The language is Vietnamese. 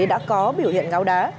đã có biểu hiện ngáo đá